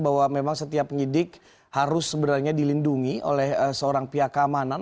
bahwa memang setiap penyidik harus sebenarnya dilindungi oleh seorang pihak keamanan